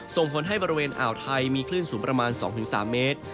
ส่งผลให้บริเวณอ่าวไทยมีคลื่นสูงประมาณ๒๓เมตร